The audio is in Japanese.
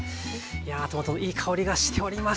いやトマトのいい香りがしております。